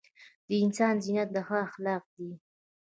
دانسان زينت دهغه اخلاق دي